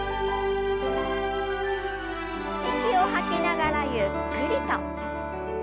息を吐きながらゆっくりと。